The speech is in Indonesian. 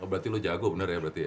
oh berarti lo jago bener ya berarti ya